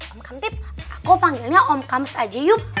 om kamtip aku panggilnya om kams aja yuk